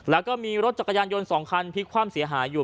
แล้วก็มีรถจักรยานยนต์๒คันพลิกความเสียหายอยู่